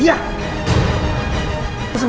ya allah kang